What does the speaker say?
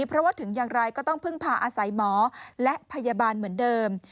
เพราะว่าถึงอย่างไรก็ต้องพึ่งพาอาศัยหมอและพยาบาลเหมือนเดิม